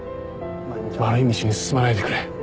悪い道に進まないでくれ。